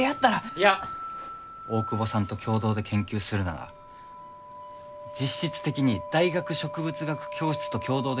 いや大窪さんと共同で研究するなら実質的に大学植物学教室と共同で研究するということだろう？